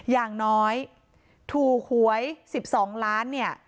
อย่างน้อยถูกหวย๑๒ล้านเนี่ย